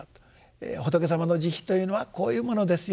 仏様の慈悲というのはこういうものですよ。